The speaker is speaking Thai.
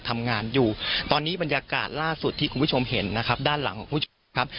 ทำงานอยู่ตอนนี้บรรยากาศล่าสุดที่คุณผู้ชมเห็นนะครับด้านหลังของคุณผู้ชมครับ